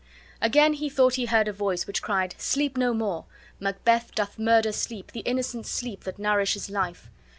Again he thought he heard a voice which cried: "Sleep no more! Macbeth doth murder sleep, the innocent sleep, that nourishes life."